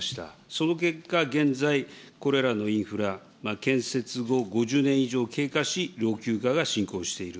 その結果、現在、これらのインフラ、建設後５０年以上経過し、老朽化が進行している。